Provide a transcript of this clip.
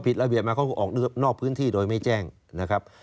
ระเบียบมาเขาออกนอกพื้นที่โดยไม่แจ้งนะครับ